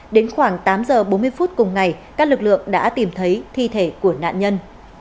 đến khoảng tám giờ bốn mươi phút cùng ngày các lực lượng đã tìm thấy thi thể của nạn nhân